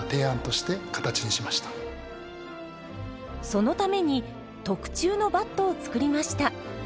そのために特注のバットを作りました。